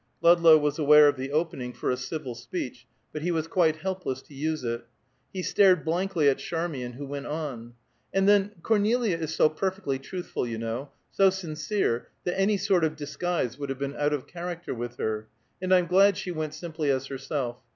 Ludlow was aware of the opening for a civil speech, but he was quite helpless to use it. He stared blankly at Charmian, who went on: "And then, Cornelia is so perfectly truthful, you know, so sincere, that any sort of disguise would have been out of character with her, and I'm glad she went simply as herself.